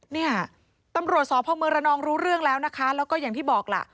เนี่ยตำรวจสพมระนองรู้เรื่องแล้วนะคะแล้วก็อย่างที่บอกล่ะ